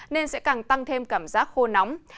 nên sẽ càng tăng thêm cảm giác khô nóng